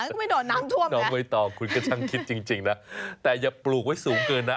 ก็ไม่โดดน้ำท่วมน้องใบตองคุณก็ช่างคิดจริงนะแต่อย่าปลูกไว้สูงเกินนะ